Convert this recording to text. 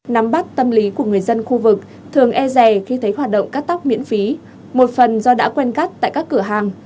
nắm bắt tâm lý của người dân khu vực thường e rè khi thấy hoạt động cắt tóc miễn phí một phần do đã quen cắt tại các cửa hàng